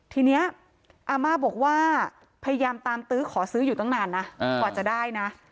ทีนี้อาม่าบอกว่าพยายามตามตื้อขอซื้ออยู่ตั้งนานนะกว่าจะได้นะ